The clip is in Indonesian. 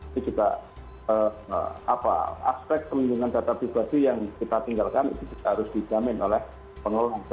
itu juga aspek peninggungan data pribadi yang kita tinggalkan itu harus dijamin oleh pengelola yang sudah menampilkan